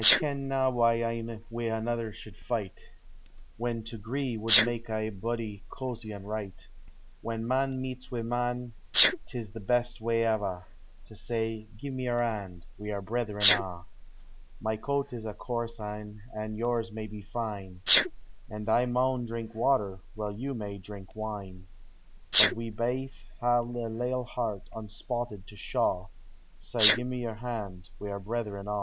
I ken ua why ane wi' anither should fight, When to 'gree would make ae body eosie an' right, When man meets wi' man, 't is the best way ava, To say, "Gi'e me your hand, — we are brethren a'/' My coat is a coarse ane, an' yours may be tine, And I maun drink water, while you may drink wine; Rut we baith ha'e a leal heart, unspotted to shaw: &ae gi'e me your hand, — we are brethren a'.